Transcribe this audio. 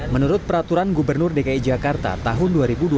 menurut peraturan gubernur dki jakarta tahun dua ribu dua puluh